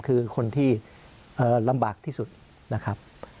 คือคนที่ลำบากที่สุดนะครับ